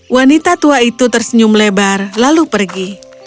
wanita tua itu tersenyum lebar lalu pergi